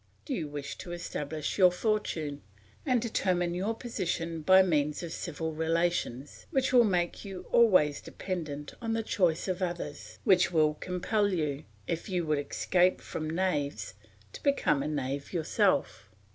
Do you wish to establish your fortune and determine your position by means of civil relations which will make you always dependent on the choice of others, which will compel you, if you would escape from knaves, to become a knave yourself?"